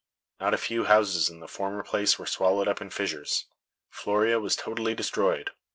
Not a few houses in the former place were swallowed up in fissures. Floria was totally destroyed.